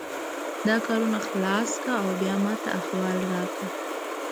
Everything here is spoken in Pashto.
دا کارونه خلاص کړه او بیا ماته احوال راکړه